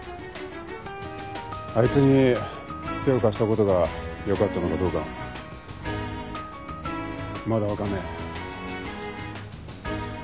あいつに手を貸したことがよかったのかどうかまだ分かんねえ。